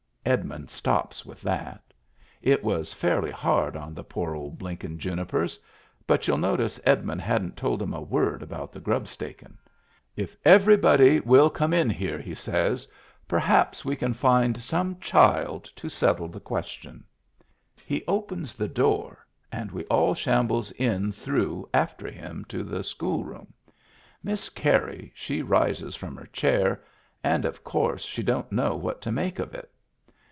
Edmund stops with that It was fairly hard on the poor old blinkin' junipers — but y'ull notice Edmund hadn't told 'em a word about the grubstakin'. " If everybody will come in here," Digitized by Google 270 MEMBERS OF THE FAMILY he sa3rs, "perhaps we can find some child to settle the question." He opens the door and we all shambles in through after him to the school room. Miss Carey she rises from her chair, and of course she don*t know what to make of it.